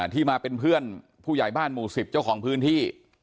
ที่มาเป็นเพื่อนผู้ใหญ่บ้านหมู่๑๐เจ้าของพื้นที่